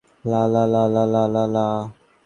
কিন্তু এম্বার দমকলের গাড়ি সেজেছিল।